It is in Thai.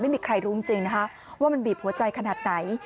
ไม่มีใครรู้จริงนะคะว่ามันบีบหัวใจขนาดไหน